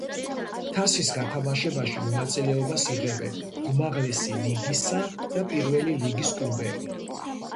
თასის გათამაშებაში მონაწილეობას იღებენ უმაღლესი ლიგისა და პირველი ლიგის კლუბები.